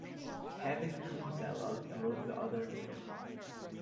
Kevin Kinsella wrote the other three.